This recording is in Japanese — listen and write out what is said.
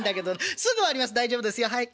すぐ終わります大丈夫ですよはい。